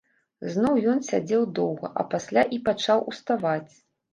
Зноў ён сядзеў доўга, а пасля і пачаў уставаць.